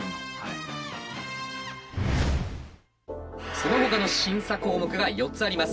そのほかの審査項目が４つあります。